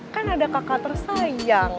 kan ada kakak tersayang